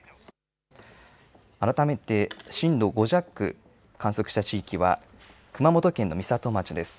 改めて、震度５弱を観測した地域は、熊本県の美里町です。